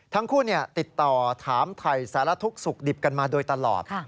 ทั้งคู่ติดต่อถามถ่ายสารทุกข์สุขดิบกันมาโดยตลอด